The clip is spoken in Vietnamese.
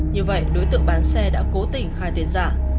như vậy đối tượng bán xe đã cố tình khai tiền giả